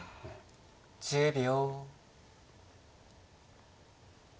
１０秒。